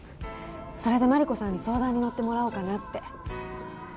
それでマリコさんに相談に乗ってもらおうかなって。